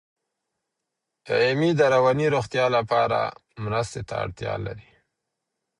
ایمي د رواني روغتیا لپاره مرستې ته اړتیا لري.